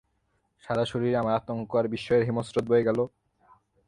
সারা শরীরে আমার আতঙ্ক আর বিস্ময়ের হিমস্রোত বয়ে গেল।